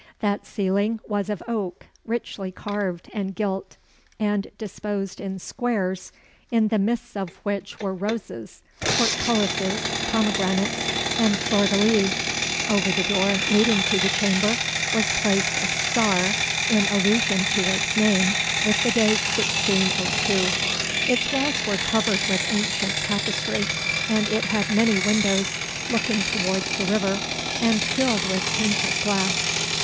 That ceiling was of oak, richly carved and gilt, and disposed in squares, in the midst of which were roses, portculises, pomegranates, and fleurs de lys. Over the door leading to the chamber was placed a star, in allusion to its name, with the date 1602. Its walls were covered with ancient tapestry, and it had many windows looking towards the river, and filled with painted glass.